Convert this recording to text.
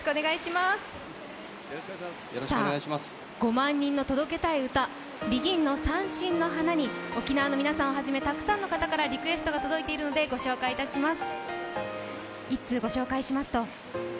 「５万人の届けたい歌」ですがＢＥＧＩＮの「三線の花」に沖縄の皆さんからたくさんのリクエストが届いているので、ご紹介します。